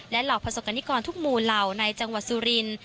เหล่าประสบกรณิกรทุกหมู่เหล่าในจังหวัดสุรินทร์